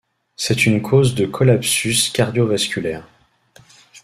C'est une cause de collapsus cardio-vasculaire.